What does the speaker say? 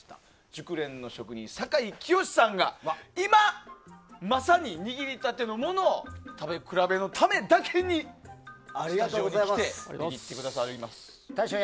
熟練の職人、酒井清志さんが今まさに、握り立てのものを食べ比べのためだけにスタジオに来てくださいました。